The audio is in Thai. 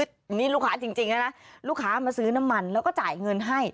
นี่ลูกค้าจริงนะลูกค้ามาซื้อน้ำมันแล้วก็จ่ายเงินให้